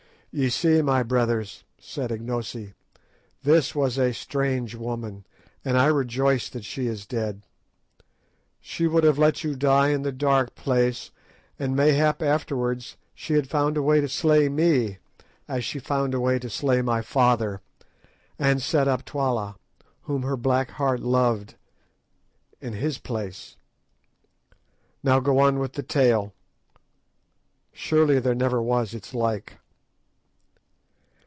_" "Ye see, my brothers," said Ignosi, "this was a strange woman, and I rejoice that she is dead. She would have let you die in the dark place, and mayhap afterwards she had found a way to slay me, as she found a way to slay my father, and set up Twala, whom her black heart loved, in his place. Now go on with the tale; surely there never was its like!"